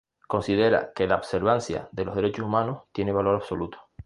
Considera que la observancia de los derechos humanos tiene valor absoluto.